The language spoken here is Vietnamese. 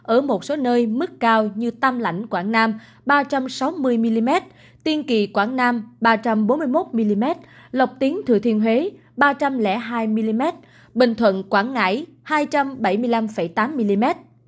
ở một số nơi mức cao như tam lãnh quảng nam ba trăm sáu mươi mm tiên kỳ quảng nam ba trăm bốn mươi một mm lộc tiến thừa thiên huế ba trăm linh hai mm bình thuận quảng ngãi hai trăm bảy mươi năm tám mm